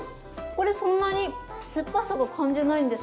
これそんなにすっぱさは感じないんですけど。